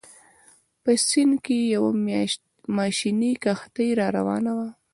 په سیند کې یوه ماشیني کښتۍ راروانه وه.